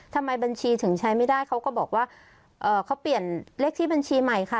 ทำไมบัญชีถึงใช้ไม่ได้เขาก็บอกว่าเอ่อเขาเปลี่ยนเลขที่บัญชีใหม่ค่ะ